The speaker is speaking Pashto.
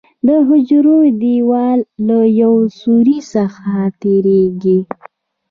د حجروي دیوال له یو سوري څخه تېریږي.